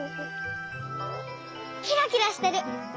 キラキラしてる。